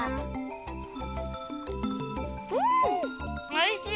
おいしい。